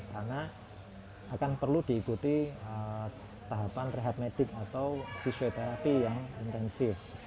karena akan perlu diikuti tahapan rehab medik atau fisioterapi yang intensif